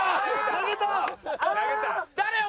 投げた！